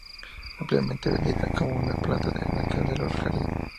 Ampliamente vendida como una planta de la casa o el jardín.